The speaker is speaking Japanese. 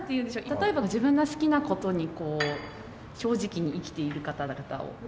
例えば自分が好きな事にこう正直に生きている方々をはい。